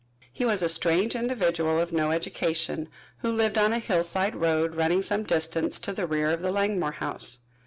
He was a strange individual, of no education, who lived on a hillside road, running some distance to the rear of the Langmore house.